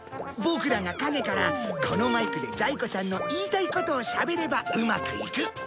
ボクらが陰からこのマイクでジャイ子ちゃんの言いたいことをしゃべればうまくいく。